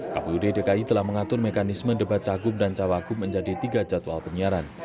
kpud dki telah mengatur mekanisme debat cagup dan cawagup menjadi tiga jadwal penyiaran